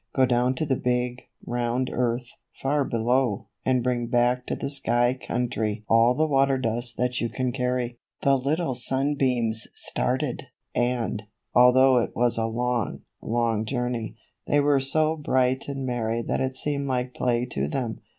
Go down to the big, round earth, far below, and bring back to the sky country all the water dust that you can carry." The little sunbeams started, and, although it was a long, long journey, they were so bright and merry that it seemed like play to them.